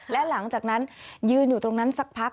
และหลังจากนั้นยืนอยู่ตรงนั้นสักพัก